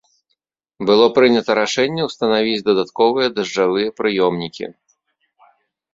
Было прынята рашэнне ўстанавіць дадатковыя дажджавыя прыёмнікі.